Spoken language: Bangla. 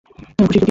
খুশি তে কি গিয়েছি?